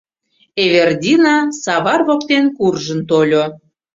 — Эвердина савар воктен куржын тольо.